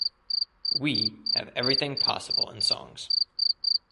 "we" have everything possible in songs